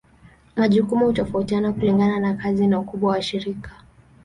Majukumu hutofautiana kulingana na kazi na ukubwa wa shirika.